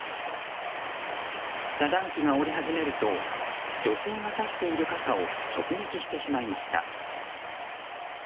遮断機が下り始めると女性がさしている傘を直撃してしまいました。